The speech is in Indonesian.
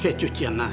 kayak cucian lah